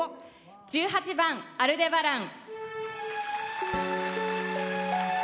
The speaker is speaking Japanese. １８番「アルデバラン」。